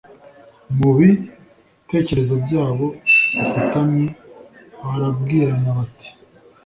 mu btekerezo byabo bifutamye barabwirana bati